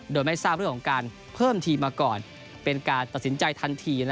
โดยไม่ทราบเรื่องของการเพิ่มทีมมาก่อนเป็นการตัดสินใจทันที